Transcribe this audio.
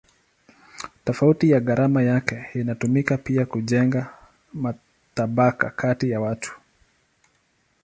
Tofauti ya gharama yake inatumika pia kujenga matabaka kati ya watu.